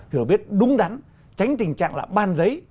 hiểu biết đúng đắn tránh tình trạng là ban giấy